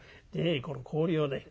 この氷をね